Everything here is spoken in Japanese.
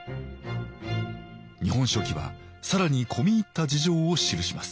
「日本書紀」は更に込み入った事情を記します。